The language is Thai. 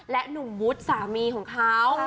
หนุ่มวุฒิสามีของเขา